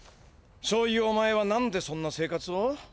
そういうお前は何でそんな生活を？